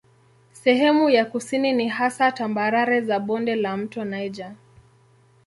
Sehemu za kusini ni hasa tambarare za bonde la mto Niger.